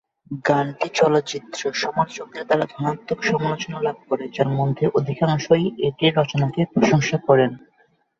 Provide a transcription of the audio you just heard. গানটি চলচ্চিত্র সমালোচকদের দ্বারা ধনাত্মক সমালোচনা লাভ করে, যার মধ্যে অধিকাংশই এটির রচনাকে প্রশংসা করেন।